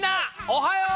おはよう！